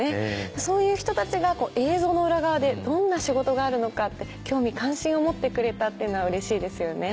そういう人たちが映像の裏側でどんな仕事があるのかって興味関心を持ってくれたっていうのはうれしいですよね。